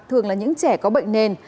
thường là những trẻ có bệnh nền